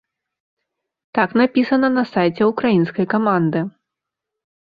Так напісана на сайце ўкраінскай каманды.